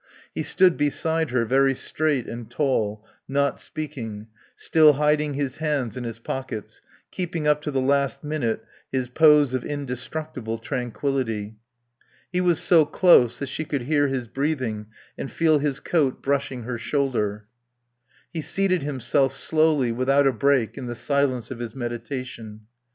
He stood beside her, very straight and tall, not speaking, still hiding his hands in his pockets, keeping up to the last minute his pose of indestructible tranquillity. He was so close that she could hear his breathing and feel his coat brushing her shoulder. He seated himself, slowly, without a break in the silence of his meditation.